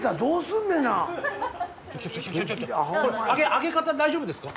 あげ方大丈夫ですか？